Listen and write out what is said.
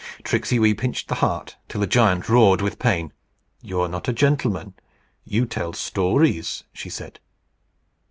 Tricksey Wee pinched the heart till the giant roared with pain. "You're not a gentleman. You tell stories," she said.